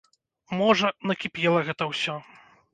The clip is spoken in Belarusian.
Можа, накіпела гэта ўсё.